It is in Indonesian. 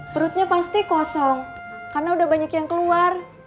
perutnya pasti kosong karena udah banyak yang keluar